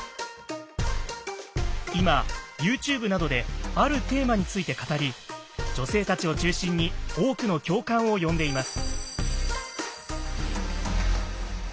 今ＹｏｕＴｕｂｅなどで「あるテーマ」について語り女性たちを中心に多くの共感を呼んでいます。